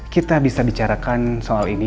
kita bisa bicarakan soal ini